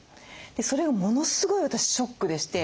それがものすごい私ショックでして。